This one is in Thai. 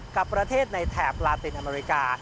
กับประเทศในแถบลาตินอเมริกา